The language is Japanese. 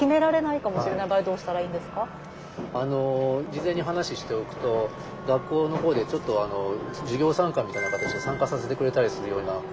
事前に話しておくと学校の方でちょっと授業参観みたいな形で参加させてくれたりするようなことが。